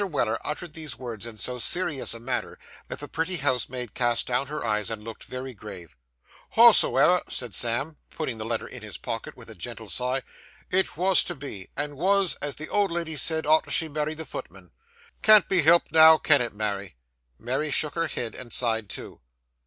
Weller uttered these words in so serious a manner, that the pretty housemaid cast down her eyes and looked very grave. 'Hows'ever,' said Sam, putting the letter in his pocket with a gentle sigh, 'it wos to be and wos, as the old lady said arter she'd married the footman. Can't be helped now, can it, Mary?' Mary shook her head, and sighed too.